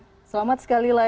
oke selamat sekali lagi